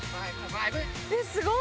えっすごい！